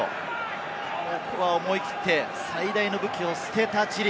ここは思い切って最大の武器を捨てたチリ。